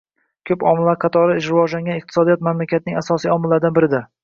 Koʻp omillar qatori rivojlanayotgan iqtisodiyot mamlakatning asosiy omillardan biridir.